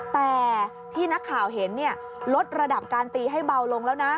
แต่ที่นักข่าวเห็นลดระดับการตีให้เบาลงแล้วนะ